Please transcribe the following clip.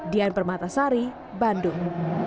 dian permatasari bandung